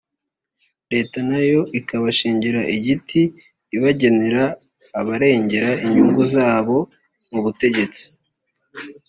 leta na yo ikabashingira igiti ibagenera abarengera inyungu zabo mu butegetsi